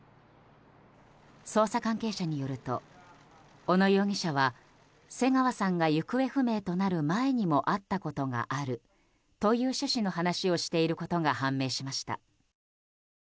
捜査関係者によると小野容疑者は瀬川さんが行方不明となる前にも会ったことがあるという趣旨の話をしていることが判明しました。